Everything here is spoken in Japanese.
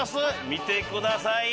見てください。